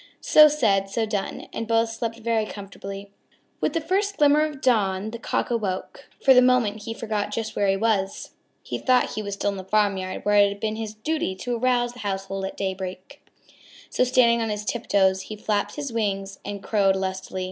So said, so done, and both slept very comfortably. With the first glimmer of dawn the Cock awoke. For the moment he forgot just where he was. He thought he was still in the farmyard where it had been his duty to arouse the household at daybreak. So standing on tip toes he flapped his wings and crowed lustily.